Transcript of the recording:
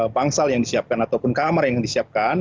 pangsal yang disiapkan ataupun kamar yang disiapkan